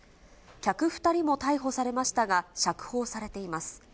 客２人も逮捕されましたが、釈放されています。